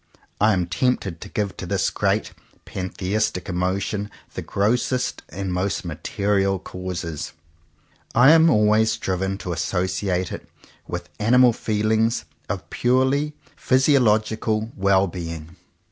I am tempted to give to this great pantheistic emotion the grossest and most material causes. I am always driven to associate it with animal feelings of purely physiological well being.